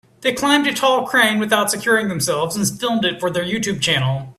They climbed a tall crane without securing themselves and filmed it for their YouTube channel.